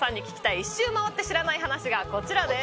１周回って知らない話がこちらです。